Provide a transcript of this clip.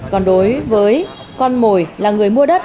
còn đối với con mồi là người mua đất